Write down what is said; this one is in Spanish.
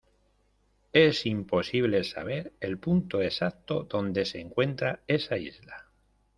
es imposible saber el punto exacto donde se encuentra esa isla.